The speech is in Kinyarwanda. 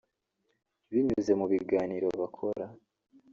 binyuze mu biganiro bakora